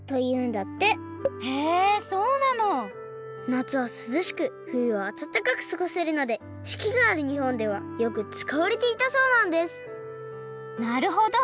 なつはすずしくふゆはあたたかくすごせるのでしきがあるにほんではよくつかわれていたそうなんですなるほど！